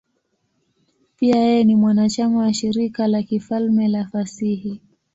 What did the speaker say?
Pia yeye ni mwanachama wa Shirika la Kifalme la Fasihi.